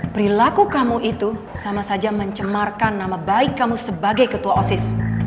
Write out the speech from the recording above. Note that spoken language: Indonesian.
perilaku kamu itu sama saja mencemarkan nama baik kamu sebagai ketua osis